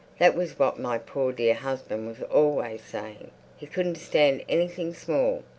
That was what my poor dear husband was always saying. He couldn't stand anything small.